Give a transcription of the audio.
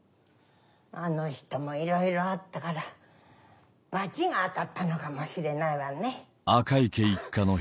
あの人もいろいろあったから罰が当たったのかもしれないわね。